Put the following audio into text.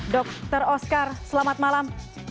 dr oskar selamat malam